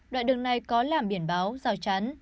đoạn đường này có làm biển báo rào chắn